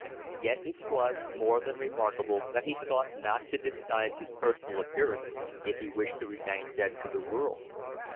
Yet it was more than remarkable that he sought not to disguise his personal appearance if he wished to remain dead to the world.